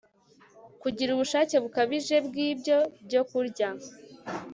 kugira ubushake bukabije bwibyo byokurya